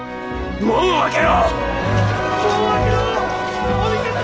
門を開けろ！